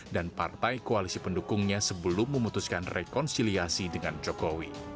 dan partai koalisi pendukungnya sebelum memutuskan rekonsiliasi dengan jokowi